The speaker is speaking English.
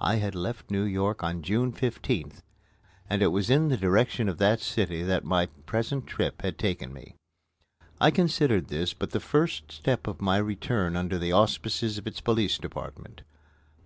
I had left New York on June 15th, and it was in the direction of that city that my present trip had taken me. I considered this but the first step of my return under the auspices of its Police Department.